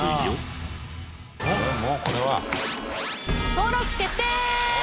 登録決定！